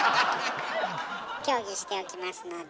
協議しておきますので。